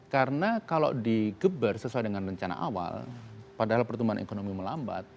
karena kalau di geber sesuai dengan rencana awal padahal pertumbuhan ekonomi melambat